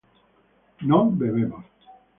no bebemos